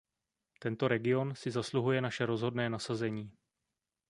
Tento region si zasluhuje naše rozhodné nasazení.